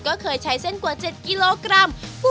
ก็เคยใช้เส้นกว่า๗กิโลกรัม